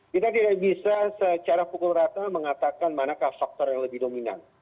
kita tidak bisa secara pukul rata mengatakan manakah faktor yang lebih dominan